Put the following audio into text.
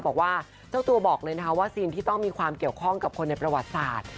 บอกว่าเจ้าตัวบอกเลยนะคะว่าซีนที่ต้องมีความเกี่ยวข้องกับคนในประวัติศาสตร์